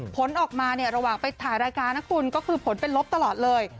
ผลออกมาเนี่ยระหว่างไปถ่ายรายการนะคุณก็คือผลเป็นลบตลอดเลย